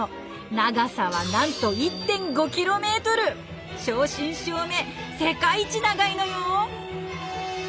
長さはなんと正真正銘世界一長いのよ。